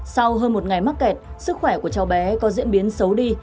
sau hơn một ngày mắc kẹt sức khỏe của cháu bé có diễn biến xấu đi